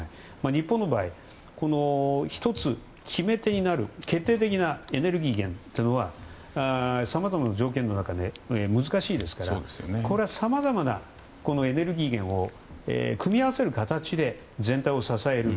日本の場合、１つ決め手になる決定的なエネルギー源というのはさまざまな条件の中で難しいですからさまざまなエネルギー源を組み合わせる形で全体を支える。